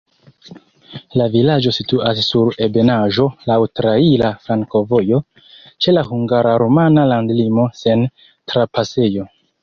La vilaĝo situas sur ebenaĵo, laŭ traira flankovojo, ĉe la hungara-rumana landlimo sen trapasejo.